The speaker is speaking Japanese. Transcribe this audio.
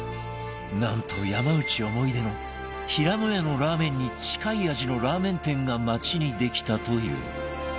なんと山内思い出のひらのやのラーメンに近い味のラーメン店が町にできたという